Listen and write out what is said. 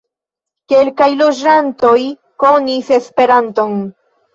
Kelkaj loĝantoj konis Esperanton.